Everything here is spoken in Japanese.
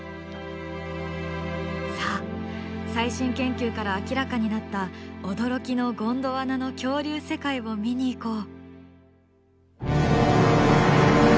さあ最新研究から明らかになった驚きのゴンドワナの恐竜世界を見に行こう。